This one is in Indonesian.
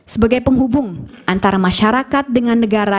sebagai penghubung antara masyarakat dengan negara